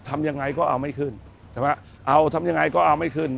ทำยังไงก็เอาไม่ขึ้นใช่ไหมเอาทำยังไงก็เอาไม่ขึ้น